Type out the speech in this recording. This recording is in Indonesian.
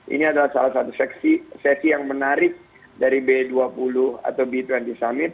ini adalah salah satu sesi yang menarik dari b dua puluh atau b dua puluh summit